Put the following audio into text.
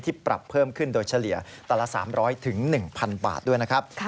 ปรับเพิ่มขึ้นโดยเฉลี่ยตันละ๓๐๐๑๐๐บาทด้วยนะครับ